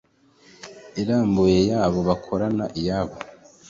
irambuye y abo bakorana iy abo